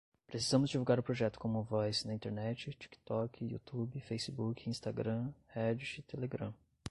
Precisamos divulgar o projeto commonvoice na internet, tiktok, youtube, facebook, instagram, reddit, telegram